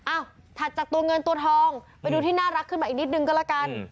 ถัดจากตัวเงินตัวทองไปดูที่น่ารักขึ้นมาอีกนิดนึงก็แล้วกัน